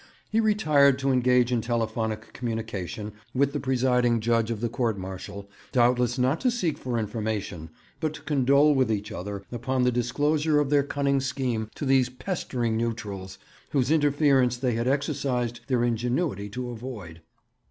He retired to engage in telephonic communication with the presiding judge of the court martial, doubtless not to seek for information, but to condole with each other upon the disclosure of their cunning scheme to these pestering neutrals, whose interference they had exercised their ingenuity to avoid.